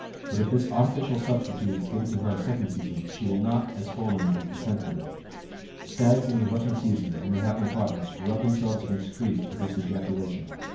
But if this artificial substitute is given to her a second season, she will not, as formerly, be content with it." Stags in the rutting season, when they have no partners, rub themselves against trees to produce ejaculation.